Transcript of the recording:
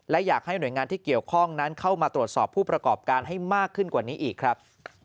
และอยากให้หน่วยงานที่เกี่ยวข้องนั้นเข้ามาตรวจสอบผู้ประกอบการให้มากขึ้นกว่านี้อีกครับ